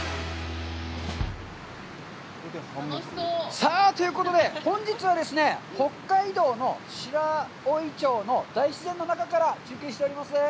さあ、ということで、本日はですね、北海道の白老町の大自然の中から中継しております。